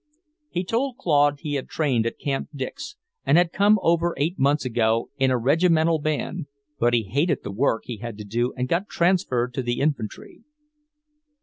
He told Claude he had trained at Camp Dix, and had come over eight months ago in a regimental band, but he hated the work he had to do and got transferred to the infantry.